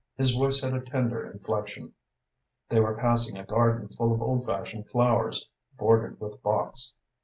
His voice had a tender inflection. They were passing a garden full of old fashioned flowers, bordered with box.